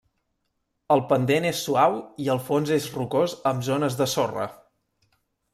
El pendent és suau i el fons és rocós amb zones de sorra.